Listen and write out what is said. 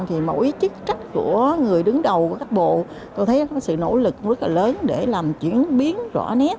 thì mỗi chức trách của người đứng đầu của các bộ tôi thấy có sự nỗ lực rất là lớn để làm chuyển biến rõ nét